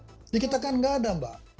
jadi kita kan gak ada mbak